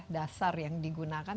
dasar yang digunakan